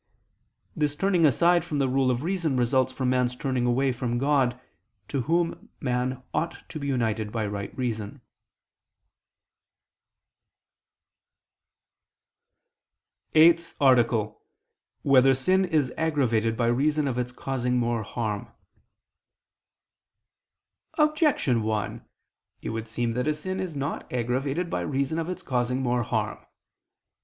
This turning aside from the rule of reason results from man's turning away from God, to Whom man ought to be united by right reason. ________________________ EIGHTH ARTICLE [I II, Q. 73, Art. 8] Whether Sin Is Aggravated by Reason of Its Causing More Harm? Objection 1: It would seem that a sin is not aggravated by reason of its causing more harm.